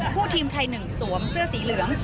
ทีมไทยหนึ่งสวมเสื้อสีเหลือง